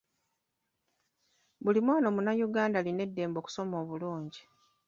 Buli mwana omunnayuganda alina eddembe okusoma obulungi.